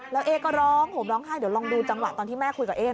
แล้วเอ๊ก็ร้องห่มร้องไห้เดี๋ยวลองดูจังหวะตอนที่แม่คุยกับเอ๊